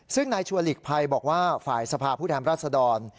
ซึ่งนายชัวร์หลีกภัยบอกว่าฝ่ายสภาพผู้แทนรัศดร